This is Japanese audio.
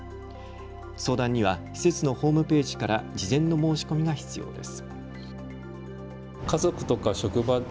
相談には施設のホームページから事前の申し込みが必要です。